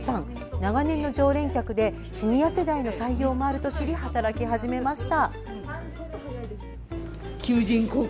長年の常連客でシニア世代の採用もあると知り働き始めました。